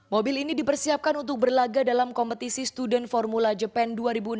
mobil ini dipersiapkan untuk berlaga dalam kompetisi student formula jepang dua ribu enam belas